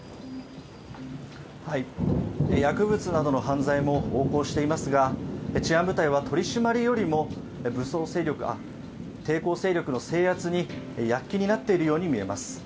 薬物などの犯罪も横行していますが治安部隊は取り締まりよりも、武装勢力や抵抗勢力の制圧に躍起になっているように見えます。